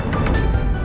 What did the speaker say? aku mau kasih tau